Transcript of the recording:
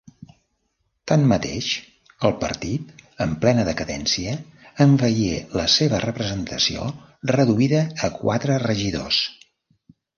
Tanmateix, el partit, en plena decadència, en veié la seva representació reduïda a quatre regidors.